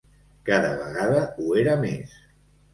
Cada vegada ho era més